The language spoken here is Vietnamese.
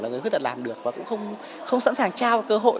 là người khuyết tật làm được và cũng không sẵn sàng trao cơ hội